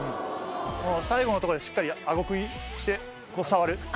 最後のとこでしっかり顎クイして触る。